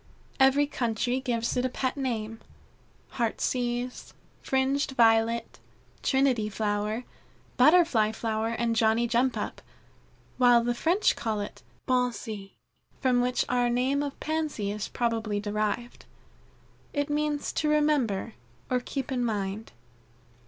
Every country gives it a pet name Heartsease, Fringed Violet, Trinity Flower, Butterfly flower, and Johnny jump up, while the French call it Pensée, from which our name of Pansy is probably derived. It means to remember or keep in mind.